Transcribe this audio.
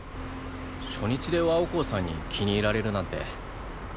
初日でワオコーさんに気に入られるなんて。